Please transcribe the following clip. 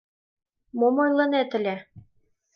Мом ойлынет ыле?